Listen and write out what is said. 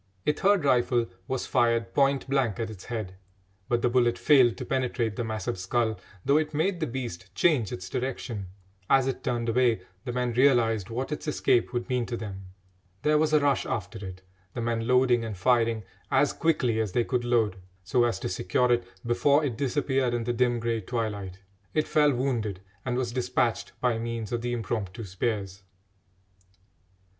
A third rifle was fired point blank at its head, but the bullet failed to penetrate the massive skull, though it made the beast change its direction. As it turned away the men realised what its escape would mean to them. There was a rush after it, the men loading and firing as quickly as they could load, so as to secure it before it disappeared in the dim grey twilight. It fell wounded, and was despatched by means of the impromptu spears.